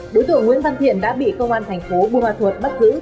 đối tượng nguyễn văn thiện đã bị công an thành phố bùa thuật bắt giữ